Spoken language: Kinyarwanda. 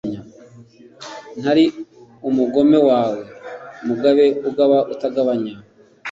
Ntari umugome wawe, Mugabe ugaba utagabanya,